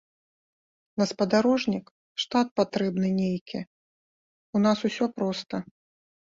На спадарожнік штат патрэбны нейкі, у нас усё проста.